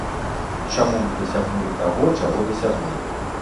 Чаму мы дасягнулі таго, чаго дасягнулі?